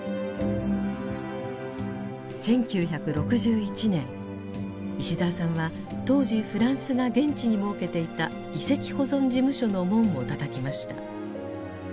１９６１年石澤さんは当時フランスが現地に設けていた遺跡保存事務所の門をたたきました。